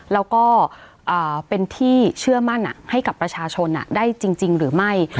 แล้วก็เป็นที่เชื่อมั่นให้กับประชาชนได้จริงหรือไม่